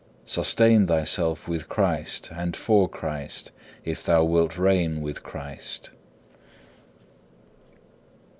Sustain thyself with Christ and for Christ if thou wilt reign with Christ.